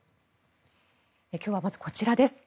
今日はまず、こちらです。